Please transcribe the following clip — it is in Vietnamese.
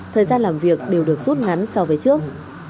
thời gian làm việc đều được rút ngắn so với trước